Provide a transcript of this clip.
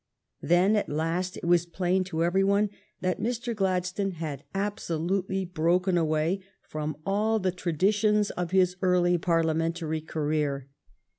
Then at last it was plain to every one that Mr. Gladstone had absolutely broken away from all the traditions of his early Parliamentary career.